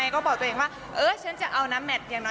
ก็บอกตัวเองว่าเอ้อฉันจะเอาน้ำแหล่ง